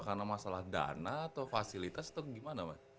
karena masalah dana atau fasilitas atau gimana mas